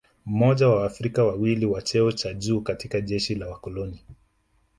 Mmoja wa Waafrika wawili wa cheo cha juu katika jeshi la wakoloni